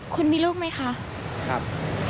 คุณมีลูกไหมคะครับ